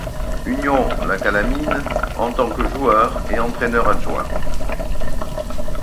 Union La Calamine en tant que joueur et entraineur-adjoint.